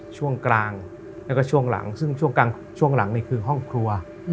ช่วงกลางแล้วก็ช่วงหลังซึ่งช่วงหลังนี่คือห้องครัว